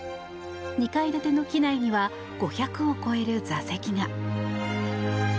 ２階建ての機内には５００を超える座席が。